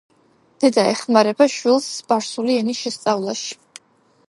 დედა ეხმარება შვილს სპარსული ენის შესწავლაში.